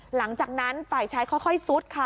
หลังจากนั้นฝ่ายชายค่อยซุดค่ะ